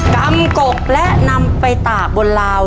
กำกกและนำไปตากบนลาว